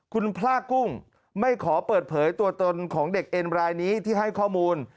คุณพลากุ้งไม่ขอเปิดเผยตัวตนของเด็กเอ็นรายนี้ที่ให้ข้อมูล